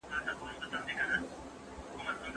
که خلک واکسین ونه کړي، ناروغي خپره کېږي.